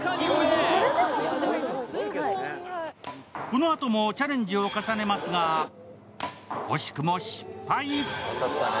このあともチャレンジを重ねますが、惜しくも失敗。